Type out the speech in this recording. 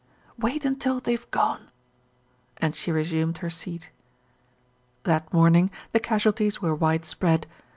"Wait until they've gone," and she resumed her seat. That morning the casualties were widespread.